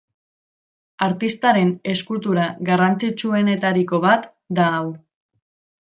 Artistaren eskultura garrantzitsuenetariko bat da hau.